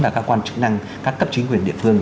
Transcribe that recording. và các quan chức năng các cấp chính quyền địa phương